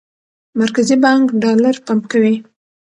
مرکزي بانک ډالر پمپ کوي.